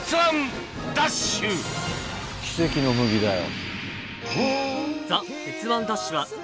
奇跡の麦だよ。